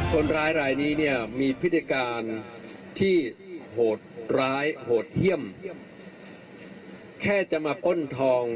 ตอนนี้ต้องไปดูหลายอย่าง